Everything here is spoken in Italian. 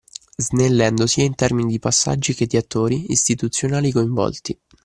Snellendo sia in termini di passaggi che di attori istituzionali coinvolti.